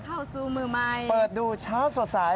เข้าสู่มือใหม่เปิดดูเช้าสดใส